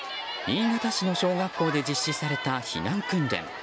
新潟市の小学校で実施された避難訓練。